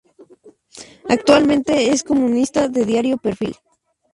Actualmente, es columnista de Diario Perfil.